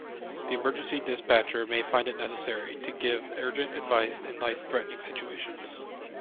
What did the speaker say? The emergency dispatcher may find it necessary to give urgent advice in life-threatening situations.